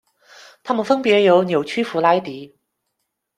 他们分别有扭曲佛莱迪。